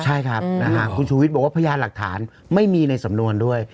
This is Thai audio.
ใช่ครับคุณชูวิทย์บอกว่าพยานหลักฐานไม่มีในสำนวนด้วย